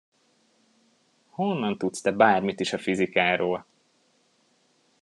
Honnan tudsz te bármit is a fizikáról?